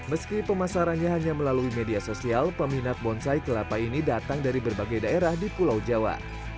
meski pemasarannya hanya melalui media sosial peminat bonsai kelapa ini datang dari berbagai daerah di pulau jawa